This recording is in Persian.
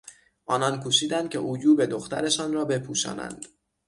آنان کوشیدند که عیوب دخترشان را بپوشانند.